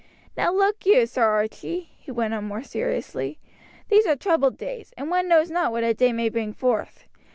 Now look you, Sir Archie," he went on more seriously; "these are troubled days, and one knows not what a day may bring forth.